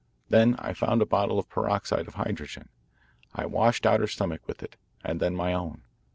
Then I found a bottle of peroxide of hydrogen. I washed out her stomach with it, and then my own.